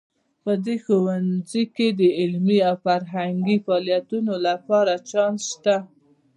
په دې ښوونځي کې د علمي او فرهنګي فعالیتونو لپاره چانس شته